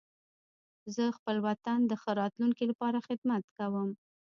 زه خپل وطن د ښه راتلونکي لپاره خدمت کوم.